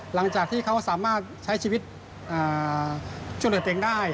หลังจากที่เขาสามารถใช้ชีวิตชุดเหนือเต็งได้